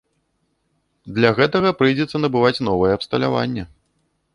Для гэтага прыйдзецца набываць новае абсталяванне.